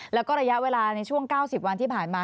แล้วก็ระยะเวลาในช่วง๙๐วันที่ผ่านมา